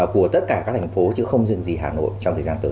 của tất cả các thành phố chứ không dừng gì hà nội trong thời gian tới